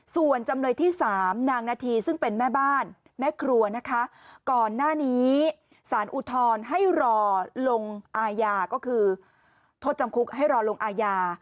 ส่วนจำเลยที่สามนางนาธีซึ่งเป็นแม่บ้านแม่ครัวนะคะก่อนหน้านี้สารอุทธรณ์ให้รอลงอาญาก็คือโทษจำคุกให้รอลงอาญา